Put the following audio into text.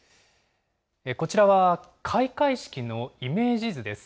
こちらは、開会式のイメージ図です。